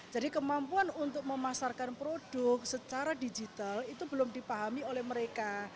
jadi kemampuan untuk memasarkan produk secara digital itu belum dipahami oleh mereka